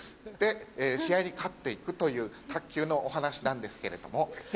で試合に勝って行くという卓球のお話なんですけれども。